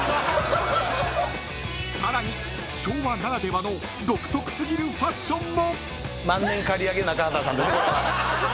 ［さらに昭和ならではの独特すぎるファッションも！］